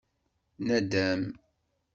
Nadem.